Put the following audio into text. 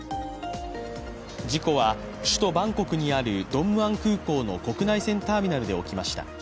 事故は、首都バンコクにあるドンムアン空港の国内線ターミナルで起きました。